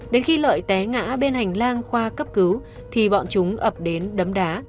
đến khi lợi té ngã bên hành lang khoa cấp cứu thì bọn chúng ập đến đấm đá